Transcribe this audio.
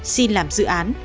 xin làm dự án